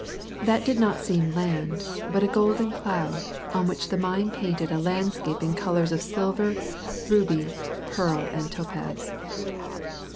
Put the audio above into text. That did not seem land, but a golden cloud, on which the mind painted a landscape in colors of silver, ruby, pearl, and topaz.